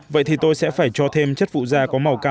vậy thì tôi sẽ phải cho thêm chất phụ da có màu cao